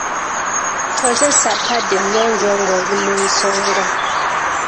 Kozesa paadi ennyonjo ng'oli mi nsonga.